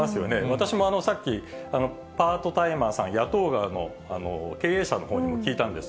私もさっき、パートタイマーさん雇う側の経営者のほうにも聞いたんです。